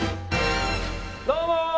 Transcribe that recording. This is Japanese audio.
どうもー！